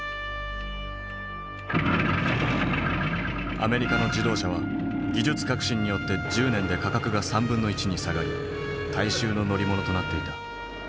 アメリカの自動車は技術革新によって１０年で価格が1/3に下がり大衆の乗り物となっていた。